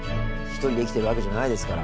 一人で生きてるわけじゃないですから。